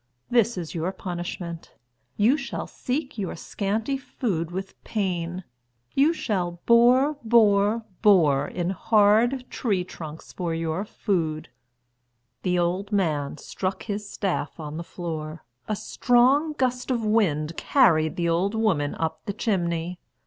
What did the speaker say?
This is your punishment. You shall seek your scanty food with pain. You shall bore, bore, bore in hard tree trunks for your food." The old man struck his staff on the floor. A strong gust of wind carried the old woman up the chimney.